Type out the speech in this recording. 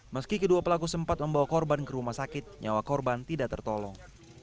meski kedua pelaku sempat membawa korban ke rumah sakit nyawa korban tidak tertolong